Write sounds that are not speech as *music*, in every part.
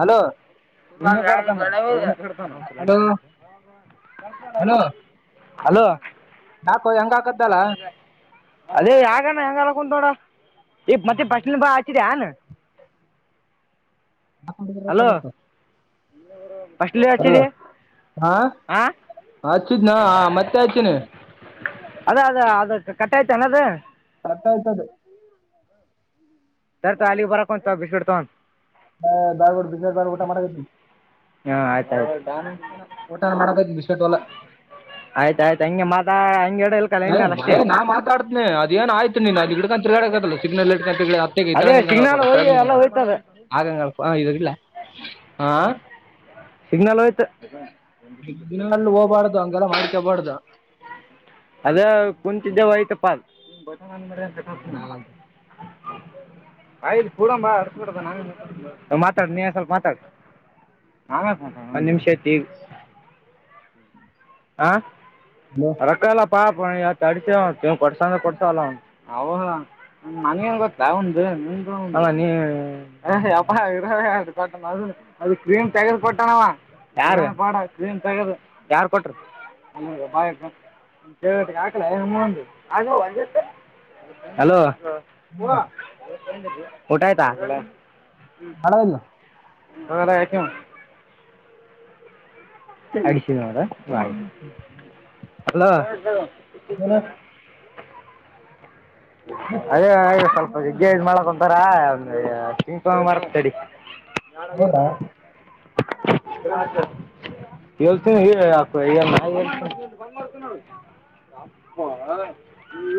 Hello hello *inaudible* hello ಬಾಪು ಹೆಂಗ್ ಆಗಕುತ್ತಾದಲಾ ಅದೇ ಯಗಾನ ಹೆಂಗ ಅಲ ಕುಂತ ನೋಡ ಈ ಮತ್ತೆ ಪಸ್ಲಿ ಬಾ ಹಚಿದ್ಯಾನ್ ಅ ತ ಕಬರ್ *unintelligible* ಇನ್ನರ *unintelligible* ಹಲೋ ಹಾ ಹಚ್ಚಿದ್ನೋ ಮತ್ತೆ ಹಚ್ಚಿನಿ ಅದ ಅದ ಅದ ಕಟ್ಟ ಆಯ್ತ ಅದು ಅಟ್ಟ ಆಯ್ತದ ಸರ್ ಶಾಲೆಗೆ ಬರಕತ್ತಲ್ ಬಿಸ್ಕೆಟ್ ತೊಗೊಂಡ ಹ ಬಬ್ಯಾಡಬಿಡ್ ದಿಬ್ಬದ ಮ್ಯಾಲೆ ಊಟ ಮಡಕೆತ್ತೇನಿ ಹಾ ಆಯ್ತ ಆಯ್ತು ಓಟ ಊಟ ಮಾಡಬೇಕ ಬಿಸ್ಕೆಟ್ ವಲ್ಲ ಆಯ್ತ ಆಯ್ತ ಹಂಗ ಮದ ಹಂಗಗೆಡಲ್ಲ ನಾ ಮಾತಾಡ್ತನೆ ಅದೇನ ಆಯ್ತು ನೀನ್ ಅಲ್ಲಿ ಹಿಡ್ಕಂಡ್ ತಿರ್ಗಾಡಕದಲ್ಲ ಸಿಗ್ನಲ್ಟ್ ಹತ್ತೆ ಅದೇ ಕೆಳಂಗಿನಗಳ ಸಿಗ್ನಲ್ ಹೋಗಿ ಎಲ್ಲ ಕೊಡರಳಗಿನ ಹೋಯ್ತು ಅದು ಆಗಂ ಇದು ಇಲ್ಲ ಹ ಸಿಗ್ನಲ್ ಹೋಯ್ತು ದಿನಗಳಲ್ಲಿ ಹೋಗಬಾರ್ದು ಹಂಗಗೆಲ್ಲ ಮಾಡ್ಕೊಬಾರ್ದು ಅದ ಕುಚಿ ವತಪ್ಪಲ್ ಹಲೋ ಆಯ್ ಕೂಡಂಬ ಕೊಡ ನ ಮಾತಾಡ ನೀನ್ ಸ್ವಲ್ಪ ಮಾತಾಡ ಒಂದು ನಿಮಿಷ ಆತ ಈಗ ಹ ಹಲೋ ಪಕ್ಕಲ್ಲ ಪಾ ಅಡತ ಕೊಡ್ಸಂತ ಕೊಡ್ತಲ್ಲ ಅವ *unintelligible* ನನ್ಗಂಗ ಗೊತ್ತಾ ಒ್ದ ನಿ *unintelligible* ಹ ಯ ಇರದು ಕಟ್ಟಣ ಅದು ಅದು ಕ್ರೀಮ ತೆಗೆದು ಕೊಟ್ಟಣವಾ *unintelligible* ಯಾರ್ ಬಡ ಕ್ಲೀನ್ ತಗೋದು ಯಾರ್ ಕೊಟ್ರ *unintelligible* ಹಾಕಲ ಹಲೋ ಹ *unintelligible* ಊಟಾಯತ ಬ ಮಾಡದಿಲ್ಲ *unintelligible* ಅಡಿಶದೋರ ಅಲೋ *unintelligible* ನ *unintelligible* ಅದೇ ಆ ಸ್ವಲ್ಪ ಮಾಡದೈತೆ ಜಗ್ಗೆ್ ಮಾಡ *unintelligible* ರಾ ಒ ಚಂಪ ಮರತಡಿ *unintelligible* ಹೌದಾ ಹ *inaudible* ಹೇಳ್ತೀನಿ *unintelligible* ಅಪ್ಪ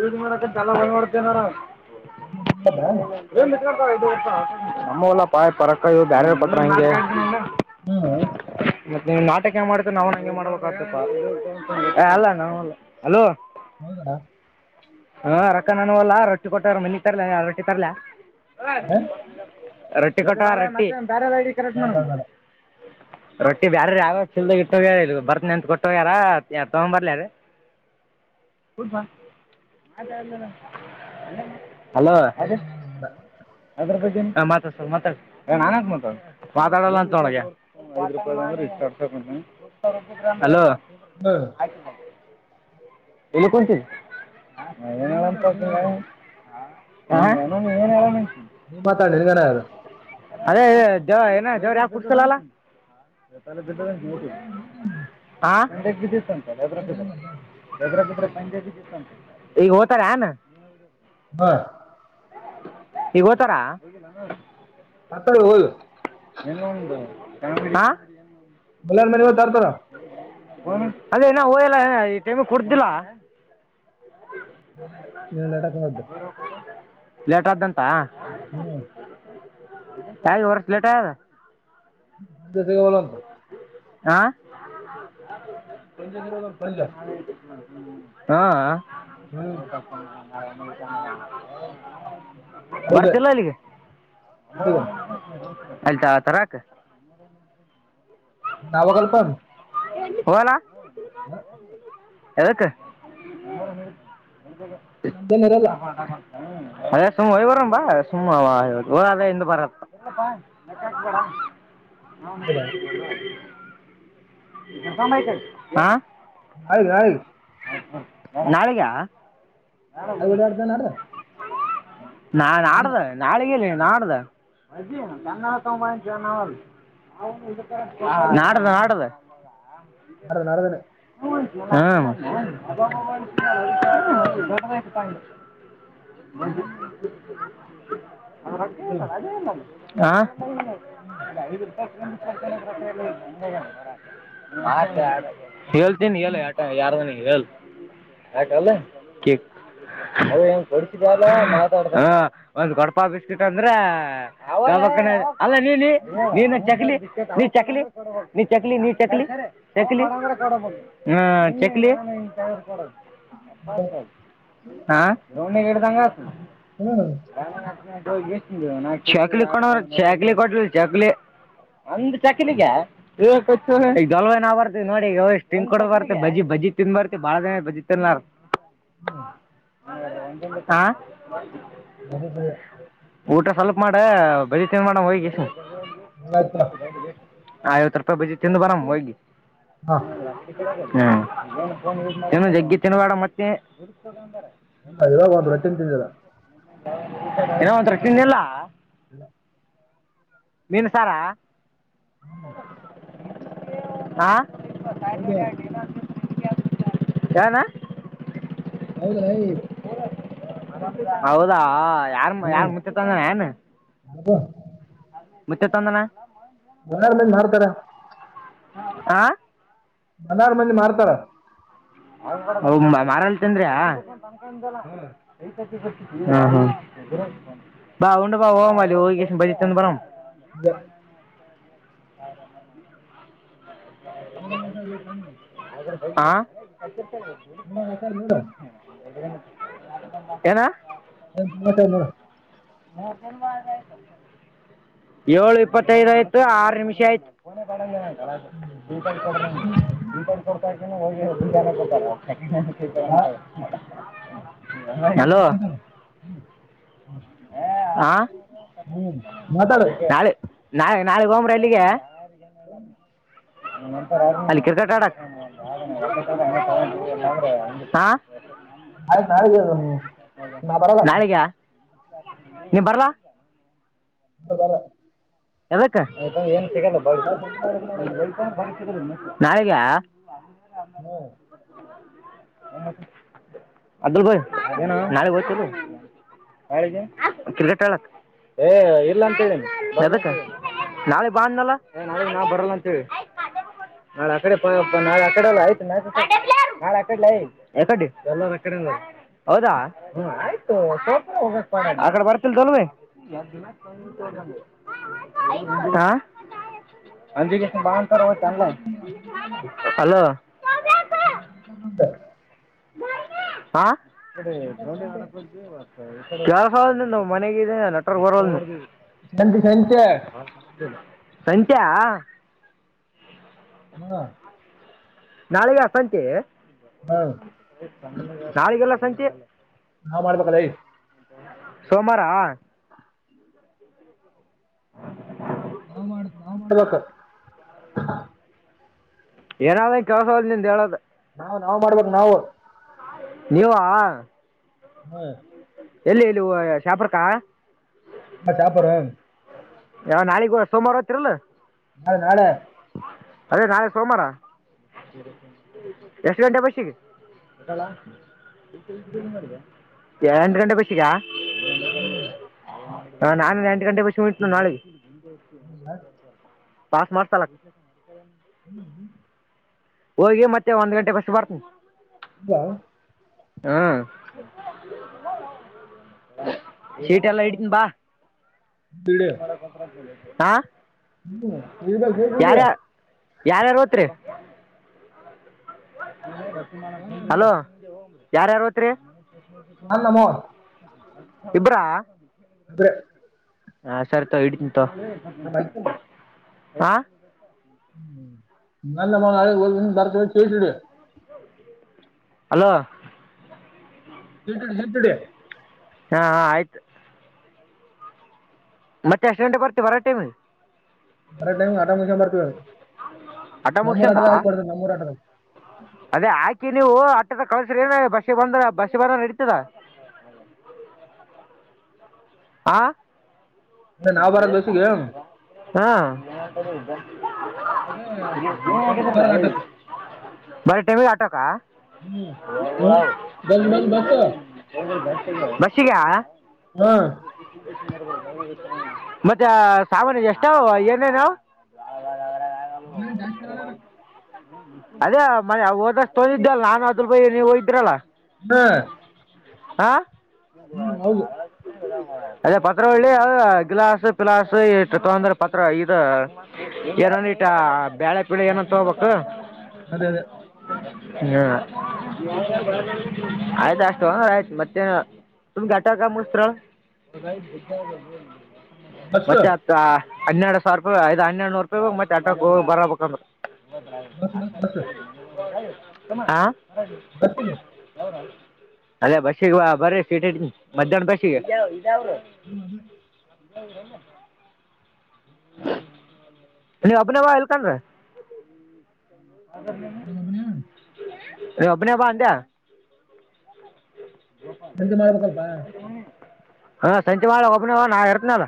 ಈದ ಮಾಡಕ ಜಲ ಬಂದ ನೋಡ್ತೇನಾರ *unintelligible* ನಮ್ಮ ಎಲ್ಲ ಪಾಯ ಪರಕ ಇದು ಬ್ಯಾರೆ ಪತ್ರ ಹಂಗೆ *unintelligible* ಹ್ಮ ಮತ್ತೆ ನೀವ್ ನಾಟಕ ಮಾಡತ ನ ಅವನ ಹಂಗೆ ಮಾಡ್ಬೇಕಕ್ ಆಗ್ತ ಅಲ್ಲ ನಾವ ಅಲೋ *unintelligible* ಹೌದಣಾ *inaudible* ಹ ರೊಕ್ಕ ನಾನೂ ಅಲ್ಲಾ ರಟ್ಟಿ ಕೊಟ್ಟಾರ ಮನಿ ತರ್ಲಲ್ಲ ಯ ರೊಟ್ಟಿ ತರ್ಲ *unintelligible* ಬೇಡ ರೊಟ್ಟಿ ಕೊಟ್ಟ ರೊಟ್ಟಾರ ಕರ ನ ಬೇಡ *unintelligible* ಬೇಡ ಬೇಡ ರೊಟ್ಟಿ ಬ್ಯಾರ ರ ಯಾವ *unintelligible* ಲ್ದ ಇಟ್ಟೋಗ್ಯಾರ ಇದು ಬರ್ತನೆೆಂತ ಕೊಟ್ಟೋಗ್ಯಾರ ತಗೊಂಬರ್ಲಾರ *unintelligible* ಹಲೋ ಬೇಡ ಬೇಡ ದ ನಾನ ಮಾತಾಡಲ್ಲ ಅಂತೊಳಗೆ ಒ್ ರೂಪಾಯಂದ್ರ ಇಷ್ಟುಸ ಅಲೋ ಹ್ಮ ಇಲ್ಲಿತಿ ನೀ ಮಾತಾಡ್ ಮಂತ ನಿನಗ ಹಾ ಏನ್ಲ್ಲ ನಿ ನೀನ್ ಮಾತಾಡ್ಿ ನನಾರು ಅದೇ ಜವ ಏನ ಜವರ್ ಯಾಕ ಕುಡ್ತಲ್ಲ ಅಲ್ಲಾ ಾಲ ಬಿದ್ದ ಲೇಟ್ ಬಿದ್ದ ಬ ಹಂಗ ಲೇಟ್ ಈಗ ಹತಾರೆ ಹಾ ಈಗ ಹೋತಾರಾ ಹ್ಮ್ ಮತ್ತ ಹಲ್ ಎ ಉ ಬಲ್ಲಾರ್ ಮನೆ ಹೋಗಿ ತರ್ತಾರ ಅದೇನ ಹೋಯಲ್ಲ ಈ ಟೈಮಿಗೆ ಕುಡ್ದಿಲ್ಲ ನೀಲ್ಲಡಕ್ ನೋ್ದ ಲೇಟ್ ಆತನಪಾ ಹ್ಮ್ *unintelligible* *unintelligible* ಆ ಪಂಚ ಸಿಗೋಲ್ಲ ಅಂತ ಪಂಚ *unintelligible* ಹಾ ಹಾ ಹ್ಹಾ *unintelligible* ಬರ್ತಿಲ್ಲ ಅಲ್ಲಿಗೆ ಹೌದೇ ಅಲ್ಲಿ ತರಾಕ್ ನಾವಹೋಗಲ್ಪ ಹೋಗೋಣ ಹ ಯದಕ್ಕ ನಮ್ದೇನ್ ಇರಲ್ಲ ಅದೇ ಸುಮ್ಮ್ ಹೋಗಿ ಬರಂಣ್ ಬಾ ಸುಮ್ ಅವ ಹಿಂರದ ಬರಕ ಹಾ ಹೌದಾ ಎತ ಹಾ ಆಗಲೇ ಆಗ್ಲಿ ನಾಳೆಗಿಯಾ ನಾಳೆ ಓಡಾಡ್ದ ನಾಡ್ದ ನಾಳೆ ನಾಡ್ದ ನಾಡದ ನಾಳೆಗ ಎಲ್ಲಿ ನಾಡ್ದು ಮ *unintelligible* ನಾಡಿದ್ದು ನಾಡಿದ್ದು ನಾಡ್ದ ನಾಡ್ದನೆ ಹ್ಮ ಅರ್ಥ *unintelligible* *unintelligible* *unintelligible* *unintelligible* ಹ್ಮ್ ಹೇಳ್ತೀನಿ ಹೇಳ ಆಟ ಯಾರ ಮನಿ ಹೇಳ ಆಟಲ್ಲ *unintelligible* ಒಂದ್ ಕೊಡಪಾ ಬಿಸ್ಕಿಟ್ ಅಂದ್ರ ಅಲ್ಲ ನೀ ನೀ ಚಕ್ಲಿ ನೀ ಚಕ್ಲಿ ನೀ ಚಕ್ಲಿ ನೀ ಚಕ್ಲಿ ಚಕ್ಲಿ ಚಕ್ಲಿ ಹಾ ರೋನಿಗೆ ಹಿಡ್ದಂಗ ಆತ ಹ್ಮ್ *unintelligible* ಚಕ್ಲಿಟ್ ಕೊಟ್ರ ಚಕ್ಲಿ ಒಂದು ಚಕಲಿಗೆ ಲ್ವ ನ ಬರ್ತತಿವಿ ನೋಡಿ ಈ ಮೇಲ್ ತಿನ್ಕೊಂಡ್ಕೊ ಬರ್ತಿ ಬಜಿ ಬಜಿ ತಿಂದನ್ ಬರ್ತಿ ಬಾಳ ದಿನ ಬಜಿ ತಿನ್ಲಲಾರ ಹ್ಮ ಹಾ ಮೆ ಊಟ ಸ್ವಲ್ಪ ಮಾಡ ಬಜ್ಜಿ ತಿನ್ ಬರೋಣ್ ಹೋಗಿ ಹಂಗಾಯ್ತು. ಐವತ್ತು ರೂಪಾಯಿ ಬಜ್ಜಿ ತಿಂದ್ ಬರೋಣ ಹೋಗಿ ಹಾ ಹ್ಮ ತಿನ್ನು ಜಗ್ಗಿ ತಿನ್ಬೇಡ ಮತ್ತೆ ಇವಾಗ ಒಂದ್ ರೊಟಿನ್ ತಿಂದಿಲ್ಲ ಏನೋ ಒಂದು ರೊಟ್ಟಿ ಇದೆಲ್ಲಾ ಹ ಮೀನು ಸಾರಾ ಹ್ಮ್ ಹೌದು ಹ ಹೌದ ಹೌದಾ ಯಾರ ಯಾರ ಮುಟ್ಟ್ಯತಂಗ ಏನ್ ಹ ಮುಚ್ಚ ತಂದಲ ಮನಾರ್ ಮಂದಿ ಮಾರ್ತಾರ ಆ ಬನಾರ ಮಂದಿ ಮಾಡ್ತಾರ ಮಾರಳ್ತನ್ಯ ಬಾ ಉಂಡ ಭಾವ ಹ ಬ ತ ಬ ಹ ಹ ಸಲ್ಲ ಹಾ ನಿಮ್ಗೆ ಹೆಸರು ನೋಡ ಏನಾ ಹಟ ಏಳು ಇಪ್ಪತ್ತದು ಆಯ್ತು ಆರು ನಿಮಿಷ ಆಯ್ತು ಕನೆ ಪಡಂಗ ನ ಕಪ ಕೊಡ ಕೊಡ್ತಾ ಹಲೋ ಹ್ಮ ಹ ಹ್ಮ್ ಮಾತಾಡು ನಾಳೆ ನಾ ನಾಳಗ್ ಗಂಬ್ರ ಅಲ್ಲಿಗೆ ಹ್ಮ್ ಅಲ್ಲಿ ಕ್ರಿಕೆಟ್ ಆಡಕ್ ಹ ನಾಳೆ ನಾಳೆದವು ನಾಳಿಗೆ ನೀವು ಬರ್ಲ ರ *unintelligible* ಯದಕ್ಕ ಏನ್ ಸಿಗಲ್ಲ ಬ ನಾಳೆ ಸಂಜೆ ಮಾಡ್ಬೇಕು ನೋಡು ಅವ್ನು. ನಾಳಿಗೆ ಹ್ಮ್ ಅಬ್ದುಲ್ ಭೈ ನಾರಿ ವಾಯ ಬಾ ಇಲ್ಲಿ ಕ್ರಿಕೆಟ್ ಆಡಕ್ಕೆ ಏ ಎಲ್ಲಾರ್ತಿದಿರಿ ನಾಳೆ ಬಂದನಲ್ಲ ನಾಳೆ ನಾ ಬರಲ್ಲ ಅಂತವಿ ನಾಳೆ ಆ ಕಡೆ ನಾಳೆ ಆಕಡೆ ಎಲ್ಲ ಆಯ್ತು ನ ನಾಳೆ ಯಕಡ್ ಯಕಡ್ಡಿ ಎಲ್ಲ ಎಕ ಹೌದಾ ಆ ಕಡೆ ಬರ್ತಿಲ್ ತೊಲ್ಮ ಹಾ ಹಜ ಅಲೋ *unintelligible* ಹಾ ಕಡೆ ಸಂಜೆ ಕೆಲಸ ಆಲ್ ನ್ ಮನೆಗ ನಟರ್ ಬರಲ್ ನಂಡ ಸಂಚ ಹ ಸಂಚ್ಯಾ ಹ್ಮ ನಾಳಿಗೆ ಸಂತೆ ನಾಳಿಗೆಲ್ಲ ಸಂತೆ ನಾವ್ ಮಾಡ್ಬೇಕಲ್ಲ ಏಯ್. ಸೋಮಾರ ಹ ನಾವ್ ಮಾಡ ನಾವ್ ಮಾಡ್ಬೇಕ ಏನಾದ ಕೆಲಸೋದ ನಿಿಂದ ಹೇಳೋ ನಾವ್ ನಾವ್ ಮಾಡ್ಬೇಕೇಕ್ ನಾವು ನೀವಾ ಹ್ಮ್ ಎಲ್ಲಿ ಇಲ್ಲಿವು ಶಾಪರ್ಕಾ ನಾ ಟಾಪರ್ ಯಾವ ನಾಳಗ್ ಸೋಮಾರ ಆತ್ತತಿರಲ್ಲ ನಾಳೆ ನಾಳೆ ಅದೇ ನಾಳೆ ಸೋಮವಾರ ಎಷ್ಟು ಗಂಟೆ ಬಸ್ಸಿಗೆ ಎಂಟ ಗಂಟೆ ಬಸ್ಸಾಗ ಹ್ಮ್ ಹ ನಾನು ಎಂಟು ಗಂಟೆಗೆ ಬಸ್ಸಿಗೆ ಹೋಯಿತೀನಿ ನೋಡಿ ಪಾಸ್ ಮಾಡ್ಸಲ್ವ ಹ್ಞೂ ಹ್ಮ್ ಹ್ಮ *unintelligible* ಹೋಗಿ ಮತ್ತೆ ಒಂದ ಗಂಟೆ ಬಸ್ು ಬರ್ತನಿ ಹ ಹ್ಮ್ *unintelligible* ಶೀಟ್ ಎಲ್ಲ ಇಡ್ತೀನ ಬಾ ಬಿಡಿ ಹಾ ಇರ್ಬೇಕು ಬಿಡಿ ಬಿಡಿ ಯಾರ ಯಾರ ಯಾರಾರು ತ್ರಿ ನಾನೇ ಅಮ್ಮವ ಹಲೋ ಯಾರ್ಯಾರು ತ್ರರಿ ನಾನ್ ನಮ್ಮವ *unintelligible* ಇಬ್ರಾ ಬೆ ಹ ಸರ್ತೋ ಇಡ್ತೀಂತ ನಮ್ಮ ಅಜ್ಜ. ಹಾ ಹ್ಮ ನಲ್ಲ ಮಳ ಬರ್ತವೆ ಚಡಿಯ *unintelligible* ಹಲೋ ಎೇ ಹೆೇಟಡೆ *unintelligible* ಹಾಂ ಹಾ ಆಯ್ತು ಮತ್ತೆ ಎಷ್ಟ ಗಂಟ ಬರ್ ಬರ ಟಮ್ *unintelligible* ಮರ ಟೈಮ್ ಆಟ ಮು ಬರ್ತೀದು ಅಟ ಮುಗಸಂದಾ ನಮ್ಮೂರ ಆಟದಾಗ ಅದೇ ಆಾಕಿ ನೀವು ಆಟ್ಟದ ಕಳಸ್ರ ಏನ ಬಸ್ಿಗೆ ಬಂದ್ರ ಬಸಿ ಬರೋ ನಡೀತದ ಹಾ ಅಂದ್ರೆ ನಾವ್ ಬರೋದ್ ಬೇಸಿಗೆ ಹ ಎಂತ ಬರದಾಟತ್ತು ಬರಟೆಮ ಆಟೋಕ ಹ್ಮ್ ಹ್ಮ್ ಬಂದ ಬಂದ ಬಸ ಬಸ್ಸಿಗಾ ಹಾ ಮತ್ತೆ ಸಾಮಾನ ಎಷ್ಟ ಏನೇ ನಾವ ಹೌರ ಆಾಗ ಮನೇಲಿ ಜಾಸ್ತಿ ಇರಲ್ಲ ಅದು. ಅದೇ ಮ ಓದಷ್ಟ ತೊಂದಿದ್ದಲ್ಲ ನಾಾನು ಅದಲ್ ಬೈ ನೀವ್ ಹೋಗಿದ್ರಲ್ಲ ಹಾ ಆ ಹ್ಮ್ ಹೌದು ಅದೇ ಪತ್ರ ಒಳ್ಳಿ ಅ ಗಿಲಾಸ್ ಪಿಲಾಸ್ ಇ ತಗೊಂಡ್ರ ಪತ್ರ ಇದು *unintelligible* ಎರನ್ಟ ಬ್ಯಾೇಳೆ ಪೀಳ ಏನಂತ ಹೋಗ್ಬೇಕು ಆದೆ ಆದೆ ಹ್ಮ ಆಯ್ತ ಅಷ್ಟು ಆಯ್ತು ಮತ್ತೆ ತು ಗಾಟ ಮುಸ್ತ್ರ ಮೆ ಬಸ್ *unintelligible* ಹನ್ನರಡು ಸಾವಿರ ರೂಪಾಯಿ ಐ್ ಹನ್ನೆಡುೂರು ರೂಪಾಯಿ್ ಮತ್ತೆ ಆಟ ಬರಬೇಕಂದ್ರ ಹ ಬಸ್ ಬಸ್ ಬಸ್ ಬಸ್ಸಿಗೆ *unintelligible* ಅದೇ ಬಸ್ಿಗೆ ಬರೀ ಸೀಟಿ ಮಧ್ಯಾಹ್ನ ಬಸಿಗೆ ಕೆಳ ಇದ ಇದಾವರು *unintelligible* ಹೌದ *unintelligible* ನೀ ಅಪನೆ ಬಾ ಎಲ್ಲಿತನ್ ಒಬ್ಯಾನೆನ ಹೇ ಅಪನೇ ಬಾ ಅಂದ್ಯ ಎಂತ ಮಾಡ್ಬೇಕಲ್ಪ ಹಾ ಸಂಚೆ ಮಾಡಳ ಒಬನ ನಾ ಇರ್ತ್ನಲ್ಲ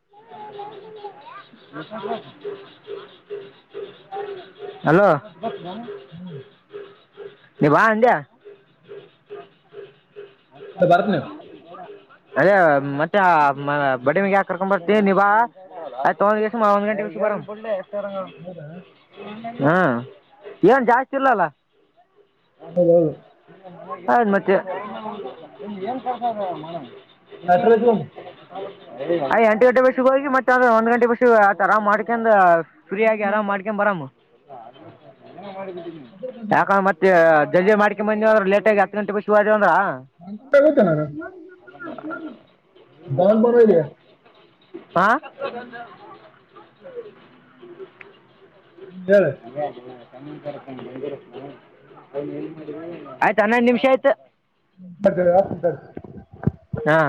*unintelligible* ಹಲೋ ನೀ ಬಾ ಅಂಡ ಬರ್ತೀನಿ ಅದೇ ಮತ್ತೆ ಬಡಿಮಿಗೆ ಯಾಕ ಬರ್ತ ನಿಭಾ ಆಯ್ ತಗಂದ್ಿಸಿ ಒಂದು ಗಂಟೆಗೆುಾರ ಹೌದಾ ಹ್ಮ ಏನ್ ಜಾಸ್ತಿ ಇರ್ಲಲ್ಲ ಕಳೆದು ಆಯದು್ ಮತ್ತೆ *unintelligible* ಅಟ್ರ ಆ ಎಂಟು ಗಂಟೆ ಬರ್ಿಗ ಹೋಗಿ ಮತ್ತ ಅೆ ಒಂದ ಗಂಟೆ ಬಷು ಆರಾಮ್ಕೊಂಡ ್ರೀ ಆಗ ಆರಾಮ್ಕೊಂಡ್ ಬರಾಮ್ ಅದೇ ಬಸ್ ಯಾಕ ಮತ್ತೆ ದರ್ಜೆ ಮಾಡಕೊಂಡ ಬಂದೇವು ಅ್ರೆ ಲೇಟಾಗಿ ಹತ್ತು ಗಂಟೆಗೆಗ್ ಶು ಆದೇವ ಅ್ರೆ *unintelligible* ಹಾಂ ಹೇಳ ಆತ ಹಾನೊಂದ ನಿಮಿಷ ಐತು ಬರ್ತೇವೆ ಹಾ